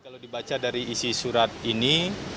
kalau dibaca dari isi surat ini